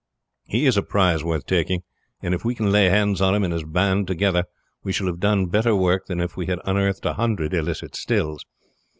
He is a prize worth taking, and if we can lay hands on him and his band together we shall have done better work than if we had unearthed a hundred illicit stills.